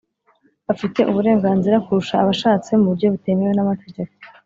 bafite uburenganzira kurusha abashatse mu buryo butemewe n’amategeko.